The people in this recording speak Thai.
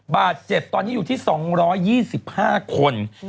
บาท๗ตอนนี้อยู่ที่๒๒๕คน